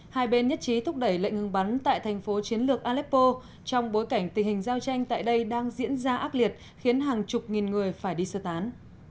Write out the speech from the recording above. hai bên nhất trí thúc đẩy lệnh ngừng bắn tại thành phố chiến lược aleppo trong bối cảnh tình hình giao tranh tại đây đang diễn ra ác liệt khiến hàng chục nghìn người phải đi sơ tán